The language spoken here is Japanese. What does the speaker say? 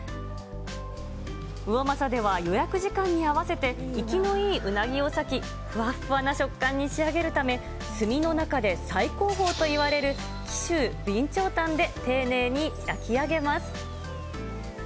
魚政では予約時間に合わせて、生きのいいうなぎを割き、ふわっふわな食感に仕上げるため、炭の中で最高峰といわれる紀州備長炭で丁寧に焼き上げます。